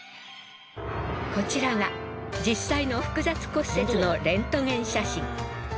こちらが実際の複雑骨折のレントゲン写真。